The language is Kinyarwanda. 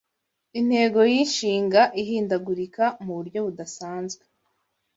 Intego yinshinga ihindagurika muburyo budasazwe